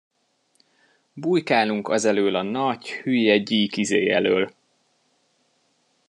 Bújkálunk az elől a nagy, hülye gyík izé elől.